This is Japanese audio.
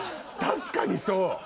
確かにそう！